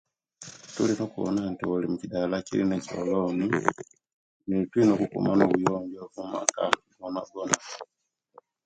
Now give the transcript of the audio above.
Tulina okuwona nti bulimukidala kilina echoloni ni tulina okukuma obuyonjo mumaka gona gona